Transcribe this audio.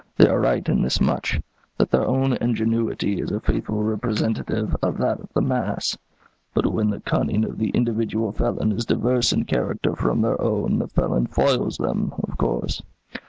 They are right in this much, that their own ingenuity is a faithful representative of that of the mass; but when the cunning of the individual felon is diverse in character from their own the felon foils them, of course.